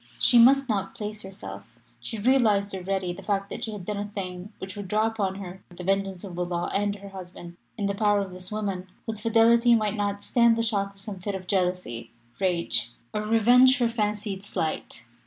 She must not place herself she realised already the fact that she had done a thing which would draw upon her the vengeance of the law and her husband in the power of this woman, whose fidelity might not stand the shock of some fit of jealousy, rage, or revenge for fancied slight.